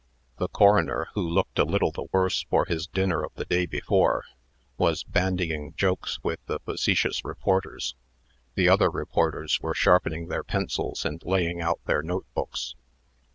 The coroner, who looked a little the worse for his dinner of the day before, was bandying jokes with the facetious reporters. The other reporters were sharpening their pencils and laying out their note books.